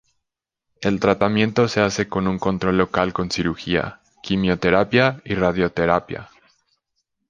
El tratamiento se hace con un control local con cirugía, quimioterapia y radioterapia.